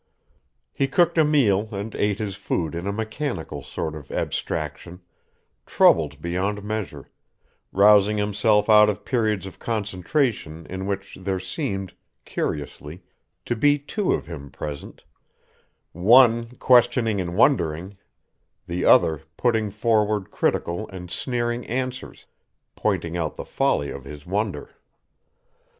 He cooked a meal and ate his food in a mechanical sort of abstraction, troubled beyond measure, rousing himself out of periods of concentration in which there seemed, curiously, to be two of him present, one questioning and wondering, the other putting forward critical and sneering answers, pointing out the folly of his wonder.